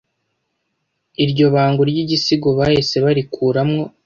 Iryo bango ry'igisigo bahise barikura mwo